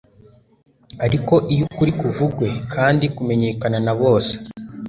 Ariko iyo ukuri kuvugwe kandi kumenyekana na bose